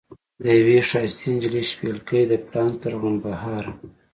د یوې ښایستې نجلۍ شپېلکی د پړانګ تر غړمبهاره.